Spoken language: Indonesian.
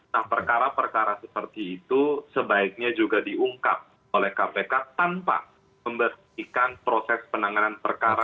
nah perkara perkara seperti itu sebaiknya juga diungkap oleh kpk tanpa membersihkan proses penanganan perkara